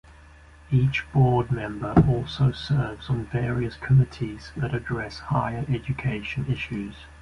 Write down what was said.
Each Board Member also serves on various committees that address higher education issues.